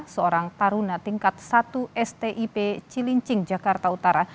seorang taruna tingkat satu stip cilincing jakarta utara